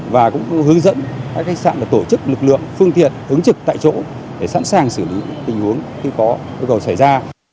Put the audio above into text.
và cũng hướng dẫn các khách sạn để tổ chức lực lượng phương thiện ứng trực tại chỗ để sẵn sàng xử lý tình huống khi có cơ cầu xảy ra